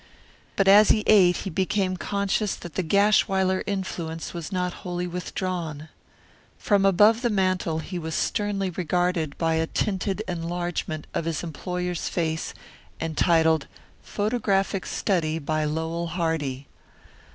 But as he ate he became conscious that the Gashwiler influence was not wholly withdrawn. From above the mantel he was sternly regarded by a tinted enlargement of his employer's face entitled Photographic Study by Lowell Hardy.